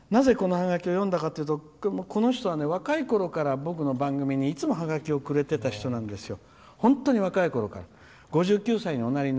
なぜ、このハガキを読んだかっていうとこの人は若いころから僕の番組にいつもハガキをくれてた人なんですよ。